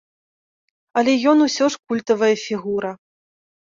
Але ён усё ж культавая фігура.